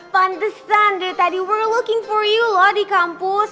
pantesan deh tadi we're looking for you loh di kampus